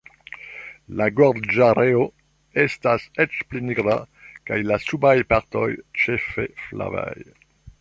La gorĝareo estas eĉ pli nigra, kaj la subaj partoj ĉefe flavaj.